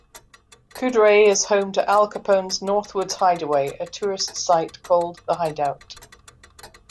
Couderay is home to Al Capone’s northwoods hideaway, a tourist site called "The Hideout.